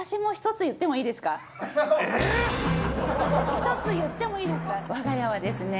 １つ言ってもいいですか？